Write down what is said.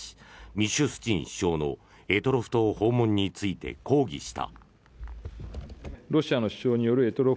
ミシュスチン首相の択捉島訪問について抗議した。